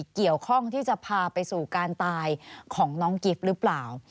เกี่ยวข้องที่จะพาไปสู่การตายของน้องกิฟต์หรือเปล่า